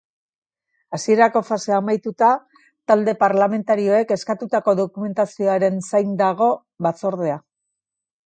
Hasierako fasea amaituta, talde parlamentarioek eskatutako dokumentazioaren zain dago batzordea.